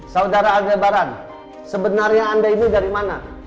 saudara aldabaran sebenarnya anda ini dari mana